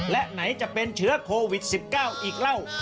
และไหนจะเป็นเชื้อโควิด๑๙อีกแล้ว